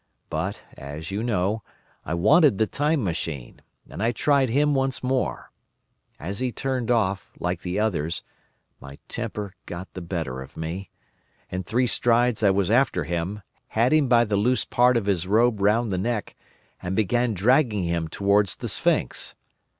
But, as you know, I wanted the Time Machine, and I tried him once more. As he turned off, like the others, my temper got the better of me. In three strides I was after him, had him by the loose part of his robe round the neck, and began dragging him towards the sphinx.